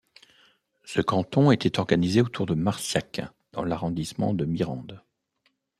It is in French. Ce canton était organisé autour de Marciac dans l'arrondissement de Mirande.